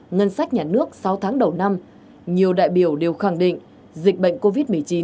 ngân sách nhà nước sáu tháng đầu năm nhiều đại biểu đều khẳng định dịch bệnh covid một mươi chín